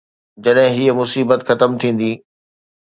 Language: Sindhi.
جڏهن هي مصيبت ختم ٿيندي.